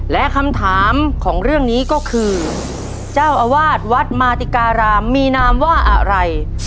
และคำถามของเรื่องนี้ก็คือเจ้าอาวาสวัดมาติการามมีนามว่าอะไร